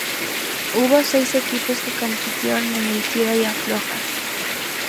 Hubo seis equipos que compitieron en el tira y afloja.